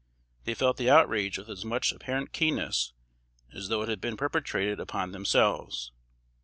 They felt the outrage with as much apparent keenness as though it had been perpetrated upon themselves.